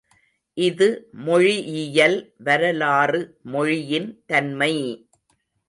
இது மொழியியல் வரலாறு மொழியின் தன்மை!